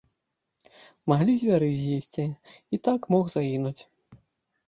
Маглі звяры з'есці, і так мог загінуць!